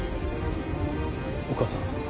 お義母さん